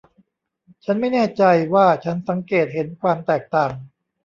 ฉันไม่แน่ใจว่าฉันสังเกตเห็นความแตกต่าง